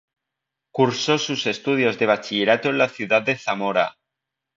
Cursó sus estudios de bachillerato en la ciudad de Zamora.